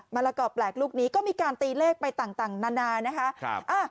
ละกอแปลกลูกนี้ก็มีการตีเลขไปต่างนานานะคะ